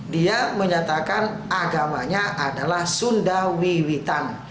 dia menyatakan agamanya adalah sunda wiwitan